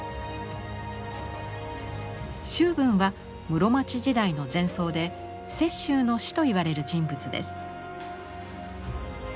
周文は室町時代の禅僧で雪舟の師といわれる人物です。